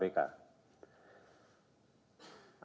menolak dengan tegas rencana revisi uu kpk